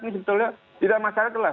ini sebetulnya tidak masyarakat lah